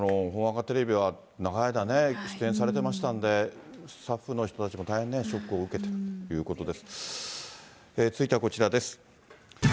読売テレビでも、ほんわかテレビは長い間ね、出演されてましたんで、スタッフの人たちも大変ショックを受けてるということです。